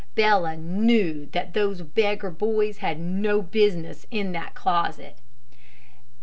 Bella knew that those beggar boys had no business in that closet.